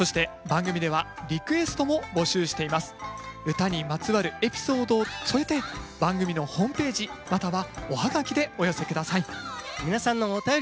唄にまつわるエピソードを添えて番組のホームページまたはお葉書でお寄せ下さい。